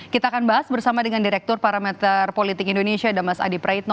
kita akan bahas bersama dengan direktur parameter politik indonesia dan mas adi praitno